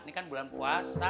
ini kan bulan puasa